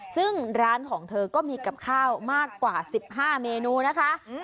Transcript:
ซึ่งร้านของเธอก็มีกับข้าวมากกว่า๑๕เมนูนะคะ